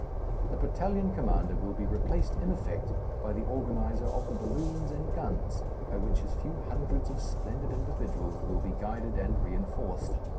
The battalion commander will be replaced in effect by the organizer of the balloons and guns by which his few hundreds of splendid individuals will be guided and reinforced.